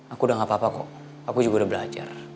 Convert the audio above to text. aku udah gapapa kok aku juga udah belajar